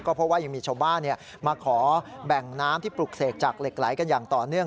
เพราะว่ายังมีชาวบ้านมาขอแบ่งน้ำที่ปลุกเสกจากเหล็กไหลกันอย่างต่อเนื่อง